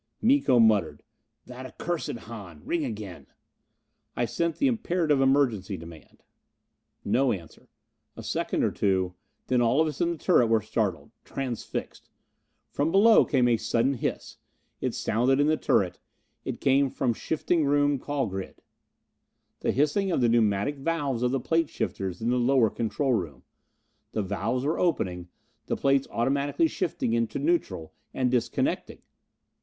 Miko muttered, "That accursed Hahn. Ring again!" I sent the imperative emergency demand. No answer. A second or two. Then all of us in the turret were startled. Transfixed. From below came a sudden hiss. It sounded in the turret: it came from shifting room call grid. The hissing of the pneumatic valves of the plate shifters in the lower control room. The valves were opening; the plates automatically shifting into neutral, and disconnecting!